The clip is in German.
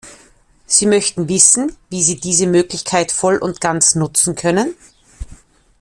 Sie möchten wissen, wie sie diese Möglichkeit voll und ganz nutzen können.